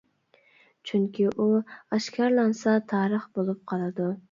چۈنكى ئۇ ئاشكارىلانسا تارىخ بولۇپ قالىدۇ.